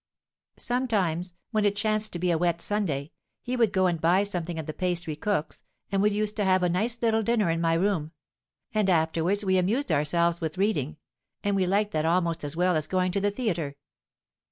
Sometimes, when it chanced to be a wet Sunday, he would go and buy something at the pastry cook's, and we used to have a nice little dinner in my room; and afterwards we amused ourselves with reading; and we liked that almost as well as going to the theatre.